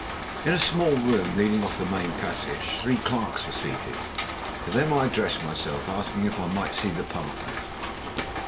In a small room leading off the main passage, three clerks were seated. To them I addressed myself, asking if I might see the partners.